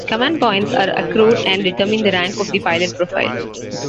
Command points are accrued and determine the rank of the pilot profile.